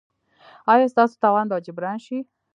ایا ستاسو تاوان به جبران شي؟